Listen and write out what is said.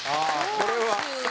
これは。